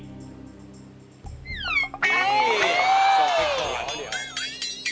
ส่งไปก่อน